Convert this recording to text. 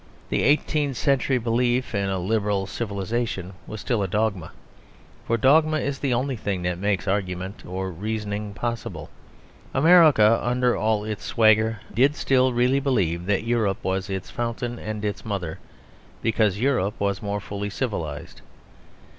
The eighteenth century belief in a liberal civilisation was still a dogma; for dogma is the only thing that makes argument or reasoning possible. America, under all its swagger, did still really believe that Europe was its fountain and its mother, because Europe was more fully civilised.